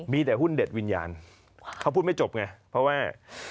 มีแต่หุ้นเด็ดวิญญาณเขาพูดไม่จบไงเพราะว่า